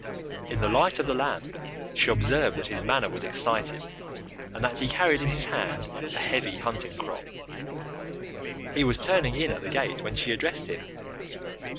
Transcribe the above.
In the light of the lamp she observed that his manner was excited, and that he carried in his hand a heavy hunting crop. He was turning in at the gate when she addressed him.